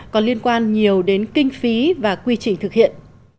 còn liên quan nhiều đến kinh phí và quy trình thực hiện